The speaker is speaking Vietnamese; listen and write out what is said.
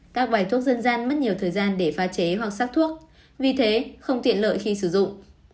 các bài thuốc dân gian mất nhiều thời gian để pha chế hoặc sắc thuốc vì thế không tiện lợi khi sử dụng